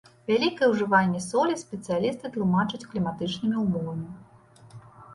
Вялікае ўжыванне солі спецыялісты тлумачаць кліматычнымі ўмовамі.